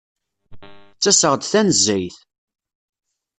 Ttaseɣ-d tanezzayt.